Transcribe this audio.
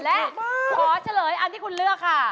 และขอเฉลยอันที่คุณเลือกค่ะ